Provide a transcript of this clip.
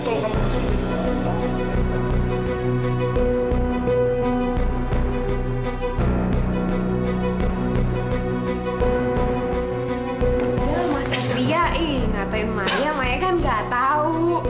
udah mas satria ih ngatain maya maya kan gak tau